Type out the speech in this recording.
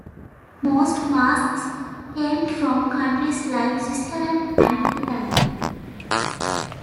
Most masks came from countries like Switzerland and Italy.